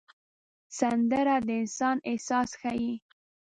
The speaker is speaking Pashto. سندره د انسان احساس ښيي